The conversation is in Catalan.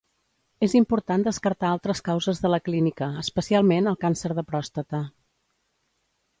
És important descartar altres causes de la clínica, especialment el càncer de pròstata.